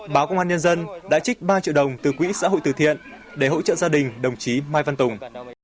báo công an nhân dân đã trích ba triệu đồng từ quỹ xã hội từ thiện để hỗ trợ gia đình đồng chí mai văn tùng